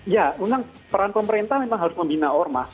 ya memang peran pemerintah memang harus membina ormas